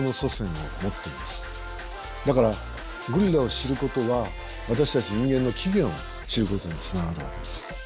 だからゴリラを知ることは私たち人間の起源を知ることにつながるわけです。